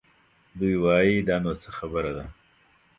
دوی وايي دا نو څه خبره ده؟